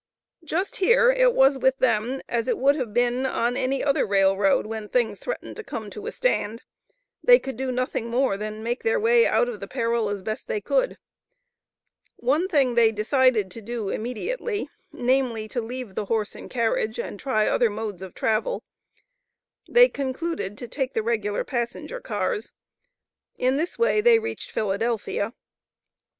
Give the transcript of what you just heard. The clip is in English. Just here it was with them as it would have been on any other rail road when things threaten to come to a stand; they could do nothing more than make their way out of the peril as best they could. One thing they decided to do immediately, namely, to "leave the horse and carriage," and try other modes of travel. They concluded to take the regular passenger cars. In this way they reached Philadelphia.